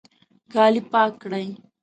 کالي پاک کړئ